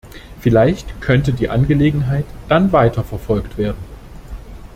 Vielleicht könnte die Angelegenheit dann weiter verfolgt werden.